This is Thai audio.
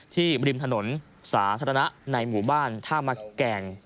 ริมถนนสาธารณะในหมู่บ้านท่ามะแกง